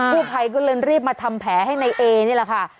ผู้ไพรก็เรียนรีบมาทำแผลให้นายเอ๋นี่แหละค่ะ